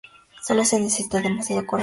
Sólo se necesita demasiado corazón.